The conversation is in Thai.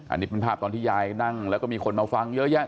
อันนี้เป็นภาพตอนที่ยายนั่งแล้วก็มีคนมาฟังเยอะแยะ